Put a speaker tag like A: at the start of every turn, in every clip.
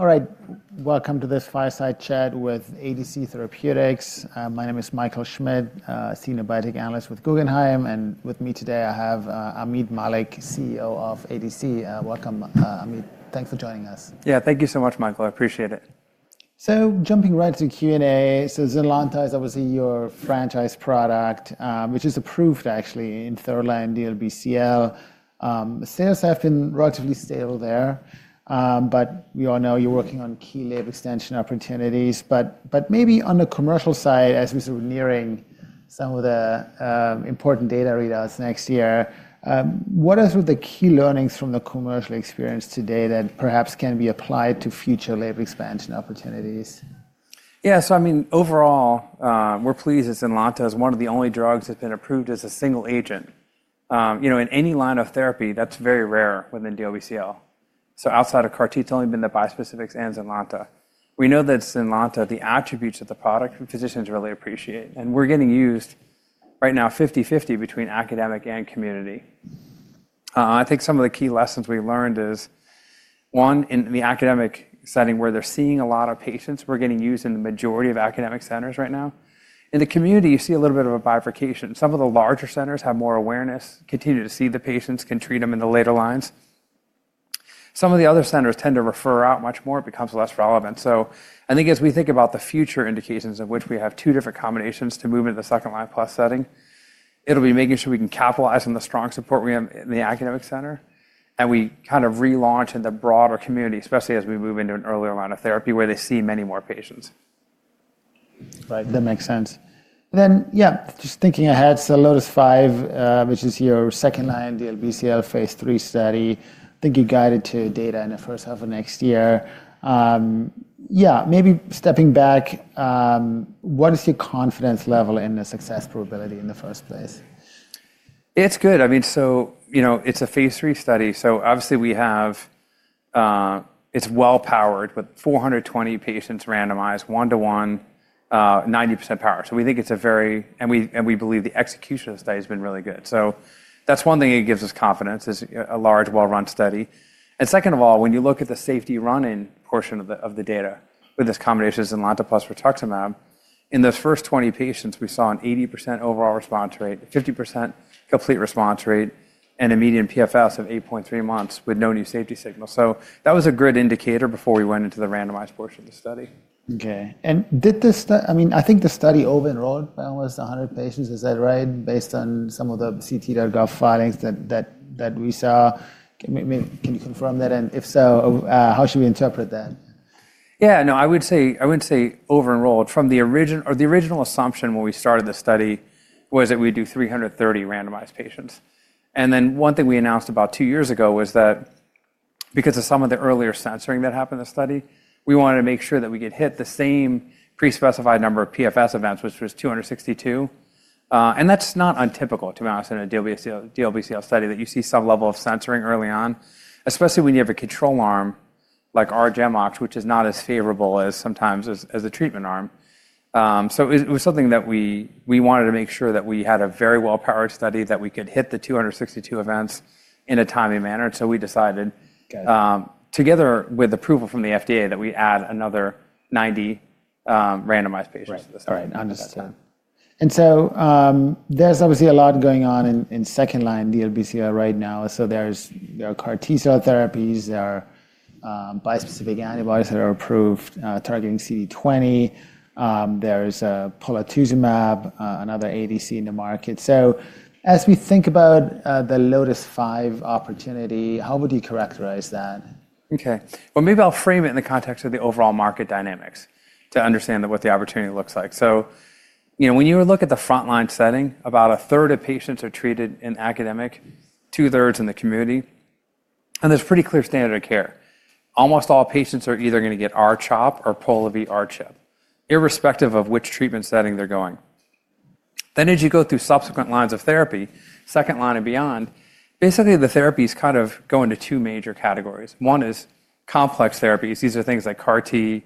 A: All right, welcome to this Fireside Chat with ADC Therapeutics. My name is Michael Schmidt, Senior Biotech Analyst with Guggenheim. And with me today, I have Ameet Mallik, CEO of ADC. Welcome, Ameet. Thanks for joining us.
B: Yeah, thank you so much, Michael. I appreciate it.
A: Jumping right to Q&A. ZYNLONTA is obviously your franchise product, which is approved actually in 3rd-line DLBCL. Sales have been relatively stable there, but we all know you're working on key label extension opportunities. Maybe on the commercial side, as we're sort of nearing some of the important data readouts next year, what are the key learnings from the commercial experience today that perhaps can be applied to future label expansion opportunities?
B: Yeah, so I mean, overall, we're pleased that ZYNLONTA is one of the only drugs that's been approved as a single agent. In any line of therapy, that's very rare within DLBCL. Outside of CAR-T, it's only been the bispecifics and ZYNLONTA. We know that ZYNLONTA, the attributes of the product, physicians really appreciate. And we're getting used right now 50/50 between Academic and Community. I think some of the key lessons we learned is, one, in the Academic Setting where they're seeing a lot of patients, we're getting used in the majority of Academic Centers right now. In the community, you see a little bit of a bifurcation. Some of the larger centers have more awareness, continue to see the patients, can treat them in the later lines. Some of the other centers tend to refer out much more. It becomes less relevant. I think as we think about the future indications of which we have two different combinations to move into the 2nd line+ setting, it'll be making sure we can capitalize on the strong support we have in the Academic Center. We kind of relaunch in the broader community, especially as we move into an earlier line of therapy where they see many more patients.
A: Right, that makes sense. Then, yeah, just thinking ahead, LOTIS-5, which is your second line DLBCL phase three study, I think you guided to data in the 1st half of next year. Yeah, maybe stepping back, what is your confidence level in the success probability in the 1st place?
B: It's good. I mean, so it's a phase three study. Obviously, we have it's well powered with 420 patients randomized one-to-one, 90% power. We think it's a very and we believe the execution of the study has been really good. That's one thing that gives us confidence is a large, well-run study. Second of all, when you look at the safety running portion of the data with this combination of ZYNLONTA plus Rituximab, in those 1st 20 patients, we saw an 80% overall response rate, a 50% complete response rate, and a median PFS of 8.3 months with no new safety signals. That was a good indicator before we went into the randomized portion of the study.
A: OK. Did this, I mean, I think the study overenrolled almost 100 patients, is that right, based on some of the CT that got findings that we saw? Can you confirm that? If so, how should we interpret that?
B: Yeah, no, I wouldn't say over-enrolled. From the original assumption when we started the study was that we'd do 330 randomized patients. One thing we announced about two years ago was that because of some of the earlier censoring that happened in the study, we wanted to make sure that we could hit the same prespecified number of PFS events, which was 262. That's not untypical, to be honest, in a DLBCL study that you see some level of censoring early on, especially when you have a control arm like R-GemOx, which is not as favorable sometimes as a treatment arm. It was something that we wanted to make sure that we had a very well-powered study that we could hit the 262 events in a timely manner. We decided, together with approval from the FDA, that we add another 90 randomized patients to the study.
A: Right, understood. There is obviously a lot going on in 2nd line DLBCL right now. There are CAR-T Cell Therapies, there are bispecific antibodies that are approved targeting CD20. There is Polatuzumab, another ADC in the market. As we think about the LOTIS-5 opportunity, how would you characterize that?
B: OK, maybe I'll frame it in the context of the overall market dynamics to understand what the opportunity looks like. When you look at the front line setting, about a third of patients are treated in academic, 2/3 in the community. There's a pretty clear standard of care. Almost all patients are either going to get R-CHOP or Polatuzumab vedotin with R-CHOP, irrespective of which treatment setting they're going. As you go through subsequent lines of therapy, 2nd line and beyond, basically, the therapies kind of go into two major categories. One is complex therapies. These are things like CAR-T,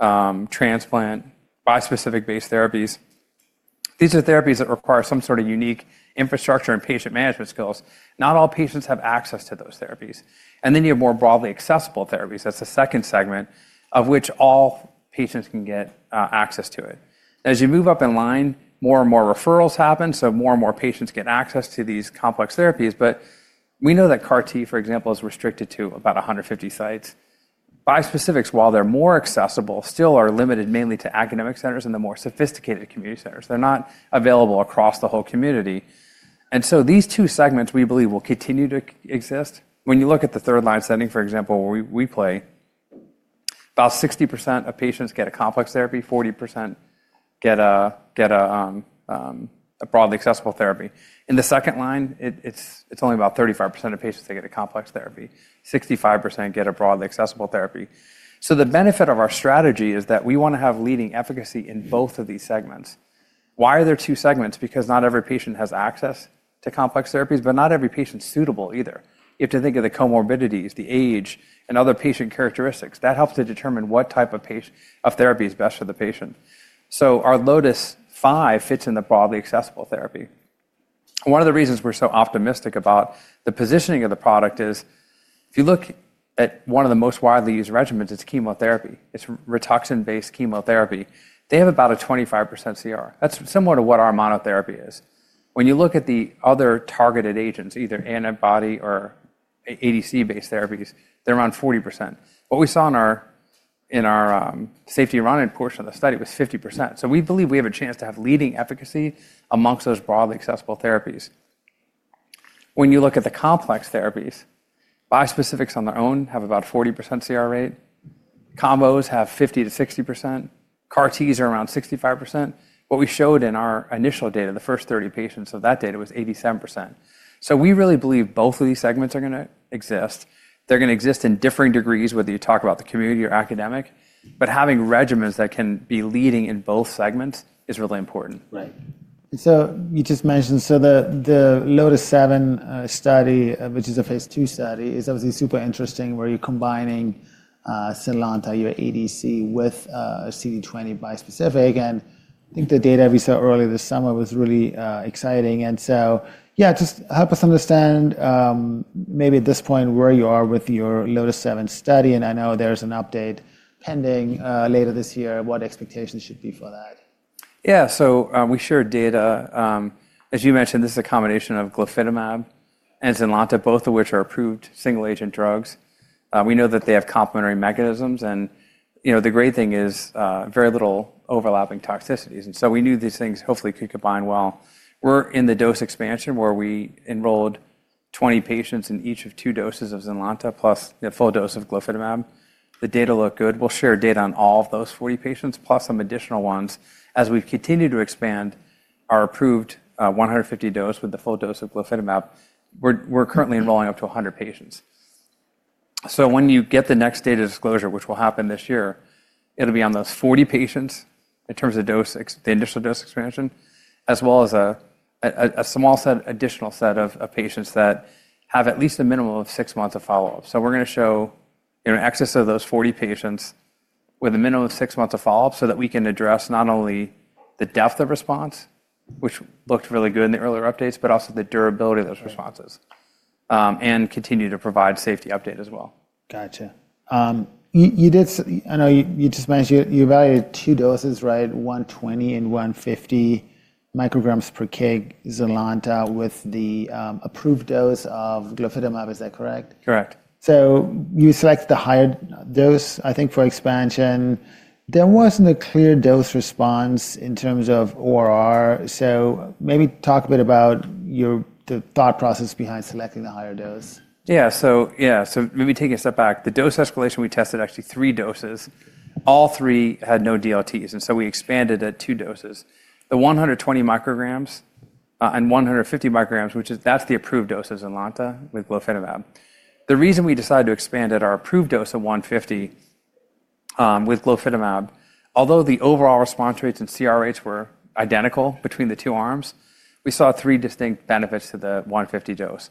B: Transplant, Bispecific-based therapies. These are therapies that require some sort of Unique Infrastructure and Patient Management Skills. Not all patients have access to those therapies. Then you have more broadly accessible therapies. That's the 2nd segment of which all patients can get access to it. As you move up in line, more and more referrals happen, so more and more patients get access to these complex therapies. We know that CAR-T, for example, is restricted to about 150 sites. Bispecifics, while they're more accessible, still are limited mainly to Academic Centers and the more sophisticated Community Centers. They're not available across the whole community. These two segments, we believe, will continue to exist. When you look at the 3rd line setting, for example, where we play, about 60% of patients get a complex therapy, 40% get a broadly accessible therapy. In the 2nd line, it's only about 35% of patients that get a complex therapy. 65% get a broadly accessible therapy. The benefit of our strategy is that we want to have leading efficacy in both of these segments. Why are there two segments? Because not every patient has access to complex therapies, but not every patient is suitable either. You have to think of the comorbidities, the age, and other patient characteristics. That helps to determine what type of therapy is best for the patient. Our LOTIS-5 fits in the broadly accessible therapy. One of the reasons we're so optimistic about the positioning of the product is, if you look at one of the most widely used regimens, it's chemotherapy. It's Rituximab-based chemotherapy. They have about a 25% CR. That's similar to what our monotherapy is. When you look at the other targeted agents, either antibody or ADC-based therapies, they're around 40%. What we saw in our safety run-in portion of the study was 50%. We believe we have a chance to have leading efficacy amongst those broadly accessible therapies. When you look at the complex therapies, bispecifics on their own have about a 40% CR rate. Combos have 50%-60%. CAR-Ts are around 65%. What we showed in our initial data, the 1st 30 patients, so that data was 87%. We really believe both of these segments are going to exist. They're going to exist in differing degrees, whether you talk about the Community or Academic. Having regimens that can be leading in both segments is really important.
A: Right. You just mentioned the LOTIS-7 study, which is a phase II study, is obviously super interesting where you're combining ZYNLONTA or ADC with CD20 bispecific. I think the data we saw earlier this summer was really exciting. Yeah, just help us understand maybe at this point where you are with your LOTIS-7 study. I know there's an update pending later this year of what expectations should be for that.
B: Yeah, so we shared data. As you mentioned, this is a combination of glofitamab and ZYNLONTA, both of which are approved single agent drugs. We know that they have complementary mechanisms. The great thing is very little overlapping toxicities. We knew these things hopefully could combine well. We're in the dose expansion where we enrolled 20 patients in each of two doses of ZYNLONTA plus the full dose of glofitamab. The data look good. We'll share data on all of those 40 patients plus some additional ones. As we continue to expand our approved 150 dose with the full dose of glofitamab, we're currently enrolling up to 100 patients. When you get the next data disclosure, which will happen this year, it'll be on those 40 patients in terms of the initial dose expansion, as well as a small additional set of patients that have at least a minimum of six months of follow-up. We're going to show an excess of those 40 patients with a minimum of six months of follow-up so that we can address not only the depth of response, which looked really good in the earlier updates, but also the durability of those responses and continue to provide safety update as well.
A: Gotcha. I know you just mentioned you evaluated two doses, right, 120 and 150 micrograms per kg ZYNLONTA with the approved dose of glofitamab. Is that correct?
B: Correct.
A: You selected the higher dose, I think, for expansion. There was not a clear dose response in terms of ORR. Maybe talk a bit about the thought process behind selecting the higher dose.
B: Yeah, so maybe taking a step back, the dose escalation, we tested actually three doses. All three had no DLTs. We expanded at two doses, the 120 micrograms and 150 micrograms, which that's the approved dose of ZYNLONTA with glofitamab. The reason we decided to expand at our approved dose of 150 with glofitamab, although the Overall Response Rates and CR rates were identical between the two arms, we saw three distinct benefits to the 150 dose.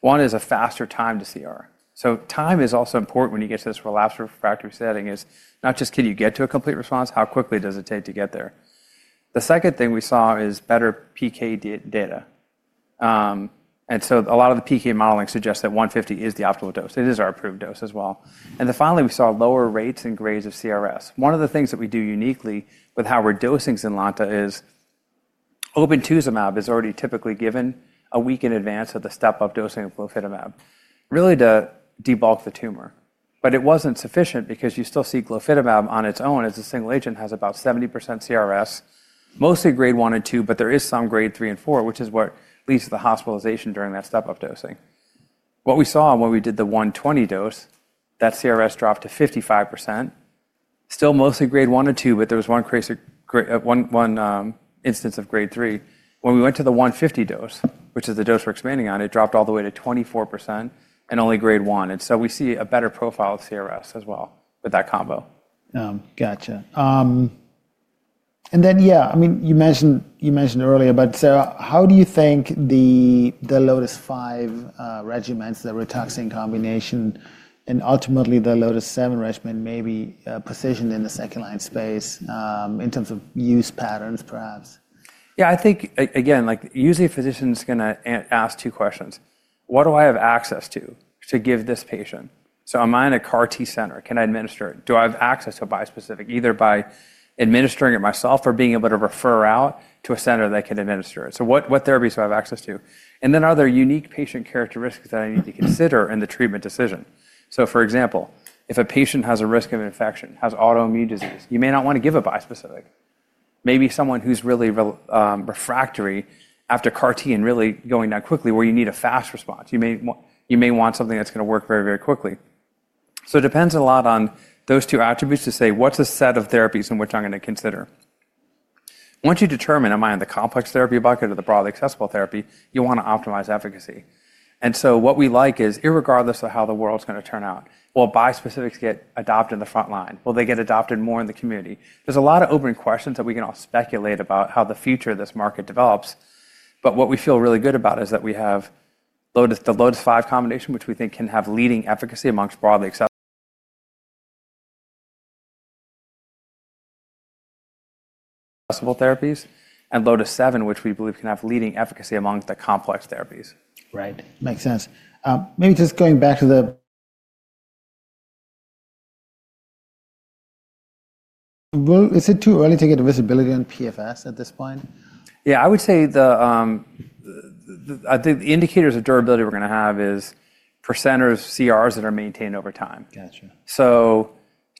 B: One is a faster time to CR. Time is also important when you get to this relapsed refractory setting. It is not just can you get to a complete response, how quickly does it take to get there? The second thing we saw is better PK data. A lot of the PK Modeling suggests that 150 is the optimal dose. It is our approved dose as well. Finally, we saw lower rates and grades of CRS. One of the things that we do uniquely with how we're dosing ZYNLONTA is Obinutuzumab is already typically given a week in advance of the step-up dosing of glofitamab, really to debulk the tumor. It was not sufficient because you still see glofitamab on its own as a single agent has about 70% CRS, mostly grade one and two, but there is some grade three and four, which is what leads to the hospitalization during that step-up dosing. What we saw when we did the 120 dose, that CRS dropped to 55%, still mostly grade one and two, but there was one incidence of grade three. When we went to the 150 dose, which is the dose we're expanding on, it dropped all the way to 24% and only grade one. We see a better profile of CRS as well with that combo.
A: Gotcha. And then, yeah, I mean, you mentioned earlier, but how do you think the LOTIS-5 regimens, the Rituximab combination, and ultimately the LOTIS-7 regimen may be positioned in the 2nd line space in terms of use patterns, perhaps?
B: Yeah, I think, again, usually a physician's going to ask two questions. What do I have access to to give this patient? Am I in a CAR-T center? Can I administer it? Do I have access to a bispecific, either by administering it myself or being able to refer out to a center that can administer it? What therapies do I have access to? Are there unique patient characteristics that I need to consider in the treatment decision? For example, if a patient has a risk of infection, has autoimmune disease, you may not want to give a bispecific. Maybe someone who's really refractory after CAR-T and really going down quickly where you need a fast response, you may want something that's going to work very, very quickly. It depends a lot on those two attributes to say, what's the set of therapies in which I'm going to consider? Once you determine am I in the complex therapy bucket or the broadly accessible therapy, you want to optimize efficacy. What we like is, irregardless of how the world's going to turn out, will bispecifics get adopted in the front line? Will they get adopted more in the community? There are a lot of open questions that we can all speculate about how the future of this market develops. What we feel really good about is that we have the LOTIS-5 combination, which we think can have leading efficacy amongst broadly accessible therapies, and LOTIS-7, which we believe can have leading efficacy among the complex therapies.
A: Right, makes sense. Maybe just going back to the is it too early to get visibility on PFS at this point?
B: Yeah, I would say the, I think the indicators of durability we're going to have is percentage of CRs that are maintained over time.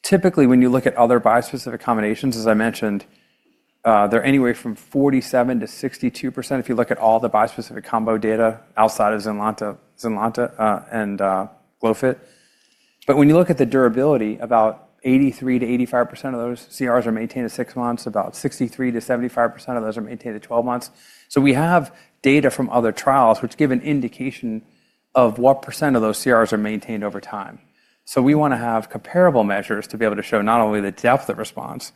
B: Typically, when you look at other bispecific combinations, as I mentioned, they're anywhere from 47%-62% if you look at all the bispecific combo data outside of ZYNLONTA and glofitamab. When you look at the durability, about 83%-85% of those CRs are maintained at six months. About 63%-75% of those are maintained at 12 months. We have data from other trials which give an indication of what percent of those CRs are maintained over time. We want to have comparable measures to be able to show not only the depth of response,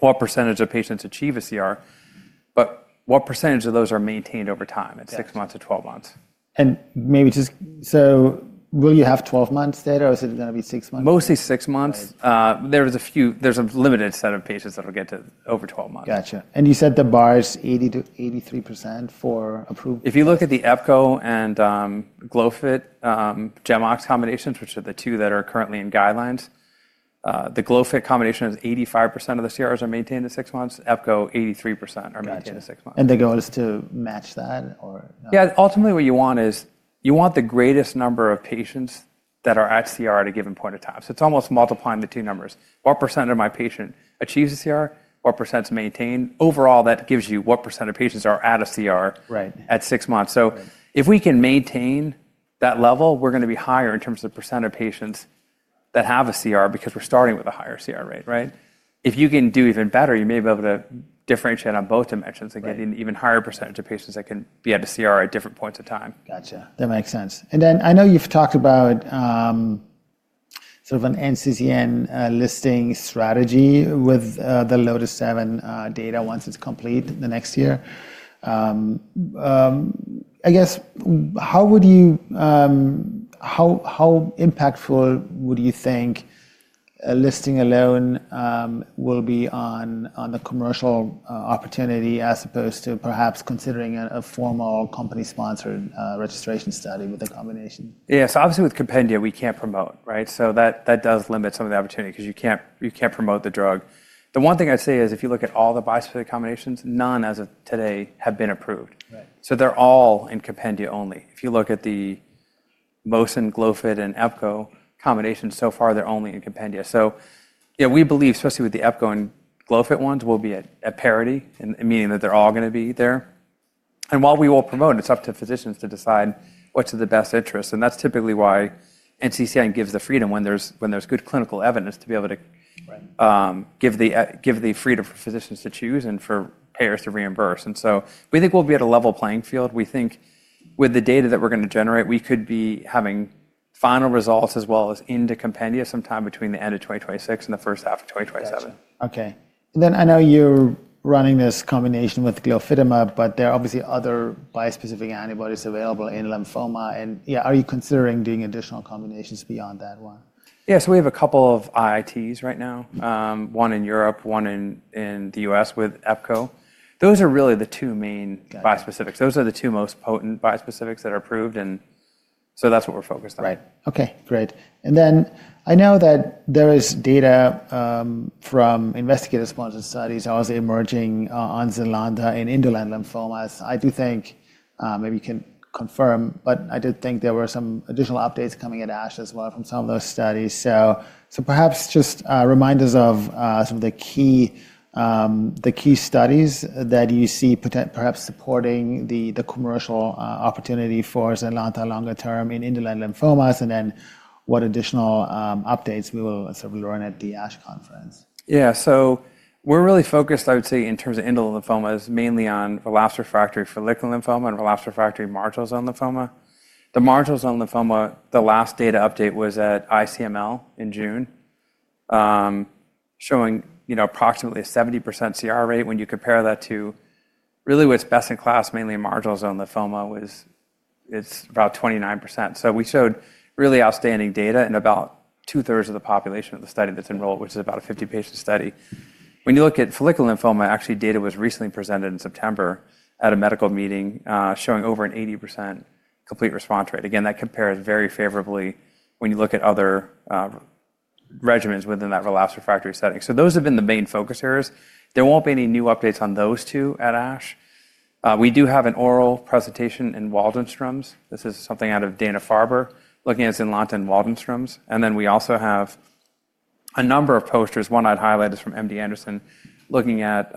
B: what percentage of patients achieve a CR, but what percentage of those are maintained over time at 6 months or 12 months.
A: Maybe just so will you have 12 months data or is it going to be 6 months?
B: Mostly 6 months. There's a limited set of patients that will get to over 12 months.
A: Gotcha. You said the bar is 80%-83% for approved?
B: If you look at the EPCO and glofit GemOx combinations, which are the two that are currently in guidelines, the glofit combination is 85% of the CRs are maintained at 6 months. EPCO, 83% are maintained at six months.
A: The goal is to match that or?
B: Yeah, ultimately what you want is you want the greatest number of patients that are at CR at a given point in time. It's almost multiplying the two numbers. What percent of my patients achieves a CR? What percent is maintained? Overall, that gives you what percent of patients are at a CR at six months. If we can maintain that level, we're going to be higher in terms of the percent of patients that have a CR because we're starting with a higher CR rate, right? If you can do even better, you may be able to differentiate on both dimensions and get an even higher percent of patients that can be at a CR at different points in time.
A: Gotcha. That makes sense. I know you've talked about sort of an NCCN Listing Strategy with the LOTIS-7 data once it's complete the next year. I guess how impactful would you think listing alone will be on the commercial opportunity as opposed to perhaps considering a formal company-sponsored registration study with a combination?
B: Yeah, so obviously with Compendium, we can't promote, right? So that does limit some of the opportunity because you can't promote the drug. The one thing I'd say is if you look at all the bispecific combinations, none as of today have been approved. So they're all in Compendium only. If you look at the mosun, glofit, and EPCO combinations, so far they're only in Compendium. Yeah, we believe, especially with the EPCO and glofit ones, we'll be at parity, meaning that they're all going to be there. While we will promote, it's up to physicians to decide what's in the best interest. That's typically why NCCN gives the freedom when there's good clinical evidence to be able to give the freedom for physicians to choose and for payers to reimburse. We think we'll be at a level playing field. We think with the data that we're going to generate, we could be having final results as well as into compendia sometime between the end of 2026 and the 1st half of 2027.
A: Gotcha. OK. And then I know you're running this combination with glofitamab, but there are obviously other bispecific antibodies available in lymphoma. And yeah, are you considering doing additional combinations beyond that one?
B: Yes, we have a couple of IITs right now, one in Europe, one in the U.S. with EPCO. Those are really the two main bispecifics. Those are the two most potent bispecifics that are approved. That is what we are focused on.
A: Right. OK, great. I know that there is data from investigator-sponsored studies also emerging on ZYNLONTA in indolent lymphomas. I do think maybe you can confirm, but I did think there were some additional updates coming at ASH as well from some of those studies. Perhaps just remind us of some of the key studies that you see perhaps supporting the commercial opportunity for ZYNLONTA longer term in indolent lymphomas and then what additional updates we will sort of learn at the ASH conference.
B: Yeah, so we're really focused, I would say, in terms of indolent lymphomas mainly on Relapsed Refractory Follicular lymphoma and Relapsed Refractory Marginal Zone lymphoma. The Marginal Zone lymphoma, the last data update was at ICML in June showing approximately a 70% CR rate. When you compare that to really what's best in class, mainly Marginal Zone lymphoma was about 29%. So we showed really outstanding data in about 2/3 of the population of the study that's enrolled, which is about a 50-patient study. When you look at Follicular lymphoma, actually data was recently presented in September at a medical meeting showing over an 80% complete response rate. Again, that compares very favorably when you look at other regimens within that relapsed refractory setting. Those have been the main focus areas. There won't be any new updates on those two at ASH. We do have an oral presentation in Waldenstrom's. This is something out of Dana-Farber looking at ZYNLONTA in Waldenstrom's. We also have a number of posters. One I'd highlight is from MD Anderson looking at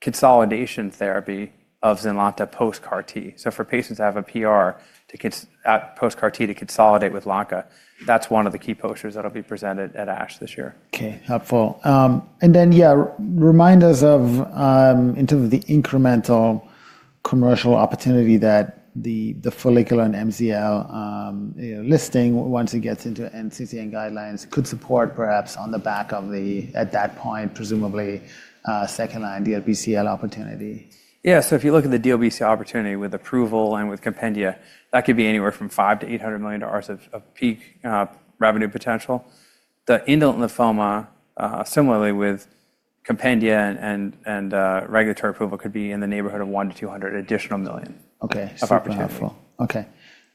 B: consolidation therapy of ZYNLONTA post CAR-T. For patients that have a PR post CAR-T to consolidate with ZYNLONTA, that's one of the key posters that'll be presented at ASH this year.
A: OK, helpful. Yeah, remind us of, in terms of the incremental commercial opportunity that the follicular and MCL listing, once it gets into NCCN guidelines, could support perhaps on the back of the, at that point, presumably second line DLBCL opportunity.
B: Yeah, so if you look at the DLBCL opportunity with approval and with compendia, that could be anywhere from $500-$800 million of peak revenue potential. The indolent lymphoma, similarly with compendia and regulatory approval, could be in the neighborhood of $100-$200 million additional.
A: OK, super helpful. OK.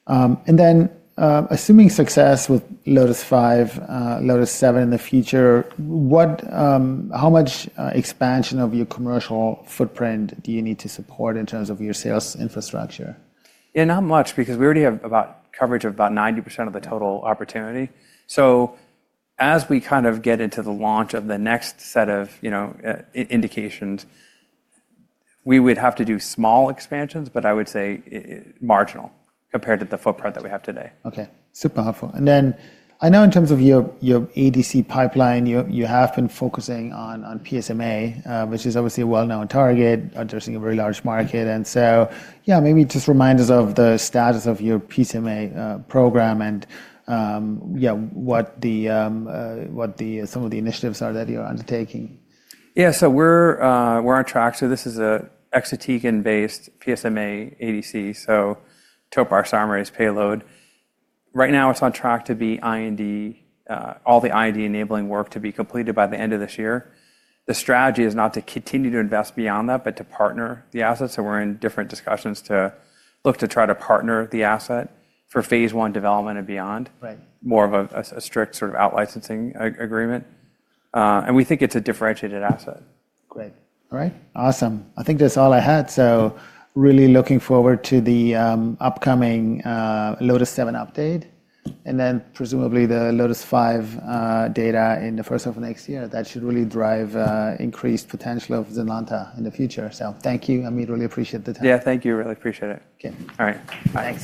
A: And then assuming success with LOTIS-5, LOTIS-7 in the future, how much expansion of your commercial footprint do you need to support in terms of your sales infrastructure?
B: Yeah, not much because we already have about coverage of about 90% of the total opportunity. As we kind of get into the launch of the next set of indications, we would have to do small expansions, but I would say marginal compared to the footprint that we have today.
A: OK, super helpful. I know in terms of your ADC pipeline, you have been focusing on PSMA, which is obviously a well-known target addressing a very large market. Maybe just remind us of the status of your PSMA program and what some of the initiatives are that you're undertaking.
B: Yeah, so we're on track. This is an exotegen-based PSMA ADC, so topar summary payload. Right now, it's on track to be IND, all the IND enabling work to be completed by the end of this year. The strategy is not to continue to invest beyond that, but to partner the asset. We're in different discussions to look to try to partner the asset for phase one development and beyond, more of a strict sort of outlicensing agreement. We think it's a differentiated asset.
A: Great. All right, awesome. I think that's all I had. Really looking forward to the upcoming LOTIS-7 update and then presumably the LOTIS-5 data in the 1st half of next year. That should really drive increased potential of ZYNLONTA in the future. Thank you. I really appreciate the time.
B: Yeah, thank you. Really appreciate it.
A: OK.
B: All right.
A: Bye.